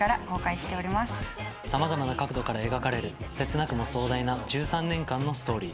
様々な角度から描かれる切なくも壮大な１３年間のストーリー。